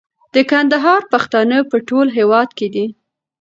د کندهار پښتانه په ټول هيواد کي دي